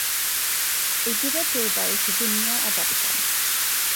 Ei ddiddordebau yw coginio a darllen.